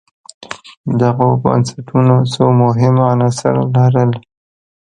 دغو بنسټونو څو مهم عناصر لرل.